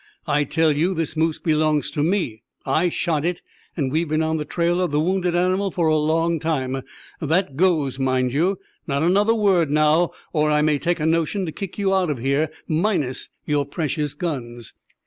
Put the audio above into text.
"I tell you this moose belongs to me. I shot it, and we've been on the trail of the wounded animal for a long time. That goes, mind you! Not another word, now, or I may take a notion to kick you out of here, minus your precious guns!"